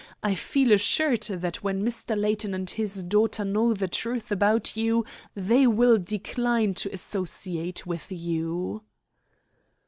I feel assured that when Mr. Layton and his daughter know the truth about you they will decline to associate with you."